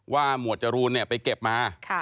หมวดจรูนไปเก็บมา